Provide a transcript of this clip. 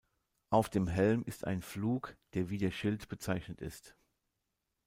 Auf dem Helm ist ein Flug, der wie der Schild bezeichnet ist.